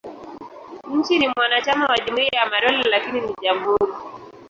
Nchi ni mwanachama wa Jumuiya ya Madola, lakini ni jamhuri.